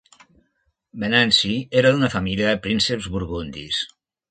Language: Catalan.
Venanci era d'una família de prínceps burgundis.